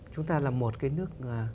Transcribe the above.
chúng ta là một cái nước